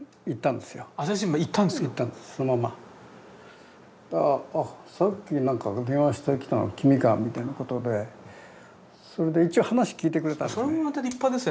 そしたら「あっさっき電話してきたのは君か」みたいなことでそれで一応話聞いてくれたんですね。